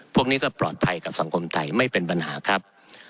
พวกนี้ก็ปลอดภัยกับสังคมไทยไม่เป็นปัญหาครับ